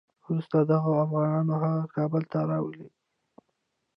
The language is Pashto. وروسته دغه افغانان هغه کابل ته راولي.